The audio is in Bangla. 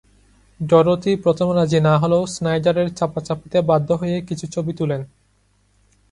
ডরোথি প্রথমে রাজি না হলেও স্নাইডারের চাপাচাপিতে বাধ্য হয়ে কিছু ছবি তুলেন।